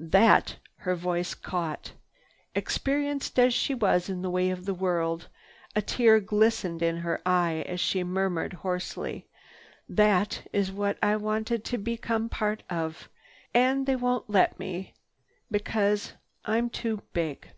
"That—" her voice caught. Experienced as she was in the ways of the world, a tear glistened in her eye as she murmured hoarsely, "That is what I wanted to become a part of. And they won't let me be—because I'm too big."